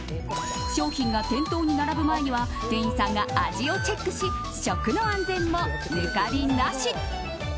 商品が店頭に並ぶ前には店員さんが味をチェックし食の安全も抜かりなし！